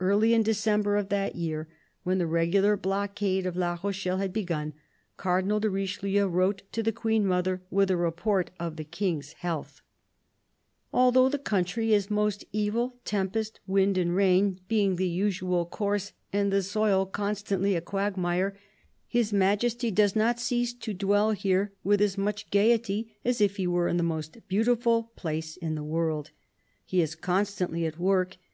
Early in December of that year, when the regular blockade of La Rochelle had begun, Cardinal de Richelieu wrote to the Queen mother with a report of the King's health :"... Although the country is most evil, tempest, wind and rain being the usual course, and the soil constantly a quagmire, His Majesty does not cease to dwell here with as much gaiety as if he were in the most beautiful place in the world. ... He is constantly at work